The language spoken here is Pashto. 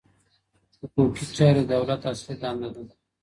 حقوقي چاري د دولت اصلي دنده وه.